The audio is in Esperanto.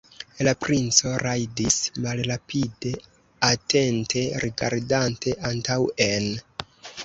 La princo rajdis malrapide, atente rigardante antaŭen.